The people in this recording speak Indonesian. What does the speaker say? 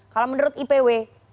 kalau menurut ipw